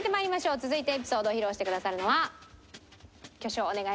続いてエピソードを披露してくださるのは挙手をお願いします。